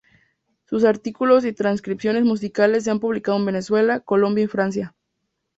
Sus artículos y transcripciones musicales se han publicado en Venezuela, Colombia y Francia.